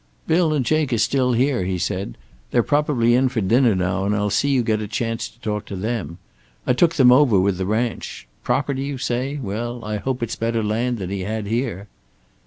"Bill and Jake are still here," he said. "They're probably in for dinner now, and I'll see you get a chance to talk to them. I took them over with the ranch. Property, you say? Well, I hope it's better land than he had here."